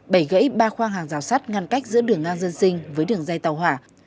bẩy gãy ba khoang hàng rào sắt ngăn cách giữa đường nga dân sinh với đường dây tàu hỏa